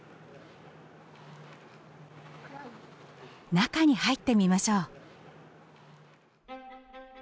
中に入ってみましょう。